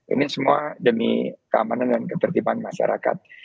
ini semua demi keamanan dan ketertiban masyarakat